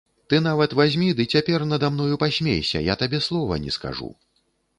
Ты нават вазьмі ды цяпер нада мною пасмейся, я табе слова не скажу.